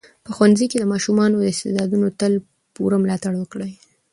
په ښوونځي کې د ماشومانو د استعدادونو تل پوره ملاتړ وکړئ.